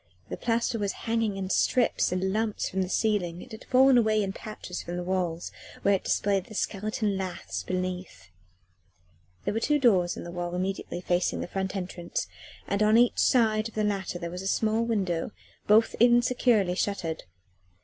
The plaster was hanging in strips and lumps from the ceiling; it had fallen away in patches from the walls where it displayed the skeleton laths beneath. There were two doors in the wall immediately facing the front entrance, and on each side of the latter there was a small window, both insecurely shuttered.